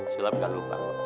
sulem gak lupa